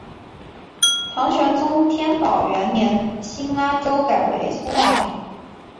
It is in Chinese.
唐玄宗天宝元年新安州改为苏茂郡。